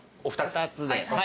２つで。